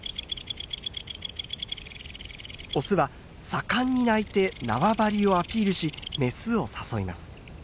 オスは盛んに鳴いて縄張りをアピールしメスを誘います。